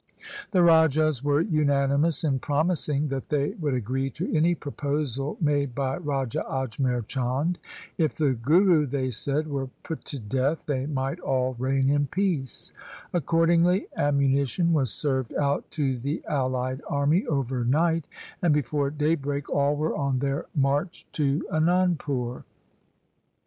The rajas were unanimous in promising that they would agree to any proposal made by Raja Ajmer Chand. If the Guru, they said, were put to death they might all reign in peace. Accordingly ammuni tion was served out to the allied army over night, and before daybreak all were on their march to Anandpur.